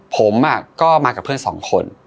ผมก็มากับเพื่อนสองคน